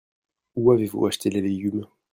Où avez-vous acheté les légumes ?